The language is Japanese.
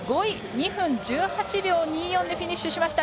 ２分１８秒２４でフィニッシュしました。